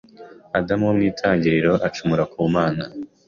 Adamu wo mw'Itangiriro acumura ku Mana